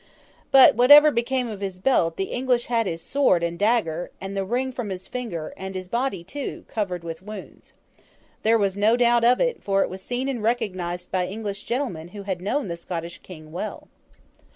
But, whatever became of his belt, the English had his sword and dagger, and the ring from his finger, and his body too, covered with wounds. There is no doubt of it; for it was seen and recognised by English gentlemen who had known the Scottish King well.